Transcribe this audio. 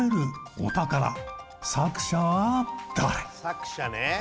作者ね。